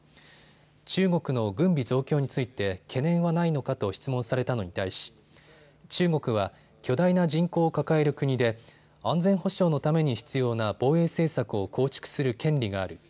中国の軍備増強について懸念はないのかと質問されたのに対し、中国は巨大な人口を抱える国で安全保障のために必要な防衛政策を構築する権利がある。